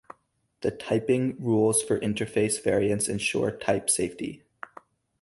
The typing rules for interface variance ensure type safety.